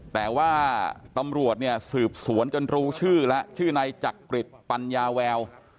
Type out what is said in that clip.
แต่ว่าตำรวจเนี่ยสืบสวนจนรู้ชื่อแล้วชื่อนายจักริจปัญญาแวว